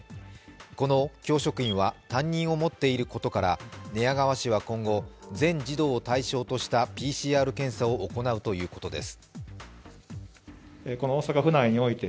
この教職員は担任を持っていることから寝屋川市は今後、全児童を対象としたＰＣＲ検査を行うということです。